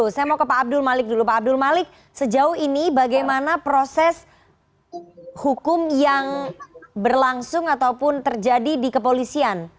saya mau ke pak abdul malik dulu pak abdul malik sejauh ini bagaimana proses hukum yang berlangsung ataupun terjadi di kepolisian